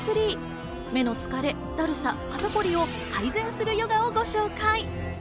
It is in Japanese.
ＴＯＰ３、目の疲れ、だるさ、肩こりを改善するヨガをご紹介。